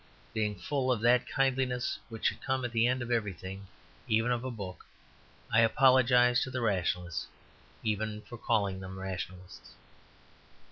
Being full of that kindliness which should come at the end of everything, even of a book, I apologize to the rationalists even for calling them rationalists.